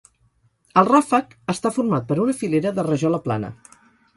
El ràfec està format per una filera de rajola plana.